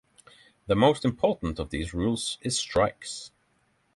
The most important of these rules is strikes.